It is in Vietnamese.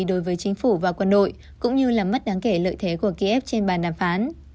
đối với chính phủ và quân đội cũng như là mất đáng kể lợi thế của kiev trên bàn đàm phán